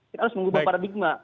kita harus mengubah paradigma